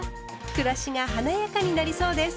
暮らしが華やかになりそうです。